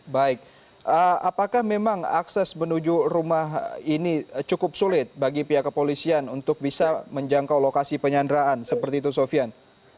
baik apakah memang akses menuju rumah ini cukup sulit bagi pihak kepolisian untuk bisa menjangkau lokasi penyanderaan seperti itu sofian